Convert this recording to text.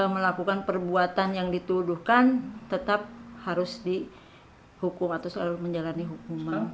melakukan perbuatan yang dituduhkan tetap harus dihukum atau selalu menjalani hukuman